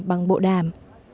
bằng bộ đàm